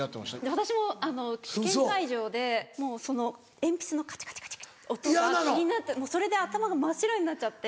私も試験会場で鉛筆のカチカチって音が気になってもうそれで頭が真っ白になっちゃって。